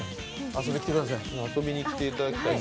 遊びに来てください。